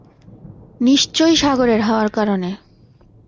নিশ্চয় সাগরের হাওয়ার কারণে।